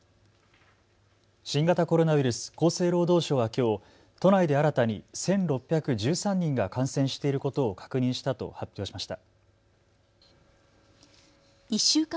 新型コロナウイルス、厚生労働省はきょう都内で新たに１６１３人が感染していることを確認したと発表しました。